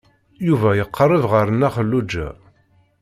Yuba iqerreb ɣer Nna Xelluǧa.